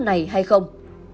này hay không